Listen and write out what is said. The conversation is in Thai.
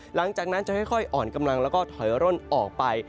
หลังจากนั้นจะค่อยอ่อนกำลังแล้วก็ถอยร่นออกไป